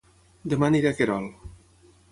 Dema aniré a Querol